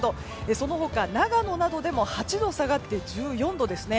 その他、長野などでも８度下がって１４度ですね。